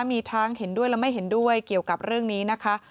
มีทั้งเห็นด้วยและไม่เห็นด้วยเกี่ยวกับเรื่องนี้นะคะ